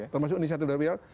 termasuk inisiatif dpr